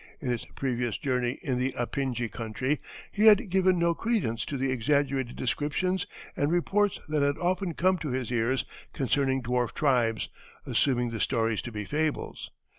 In his previous journey in the Apingi country he had given no credence to exaggerated descriptions and reports that had often come to his ears concerning dwarf tribes, assuming the stories to be fables.